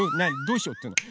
どうしようっていうの？